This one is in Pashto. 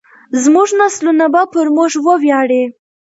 زموږ نسلونه به پر موږ وویاړي.